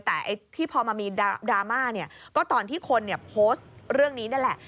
แต่ที่พอมันมีดราม่าเนี่ยก็ตอนที่คนโพสต์เรื่องนี้นั่นแหละ